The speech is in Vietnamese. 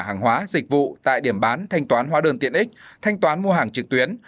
hàng hóa dịch vụ tại điểm bán thanh toán hóa đơn tiện ích thanh toán mua hàng trực tuyến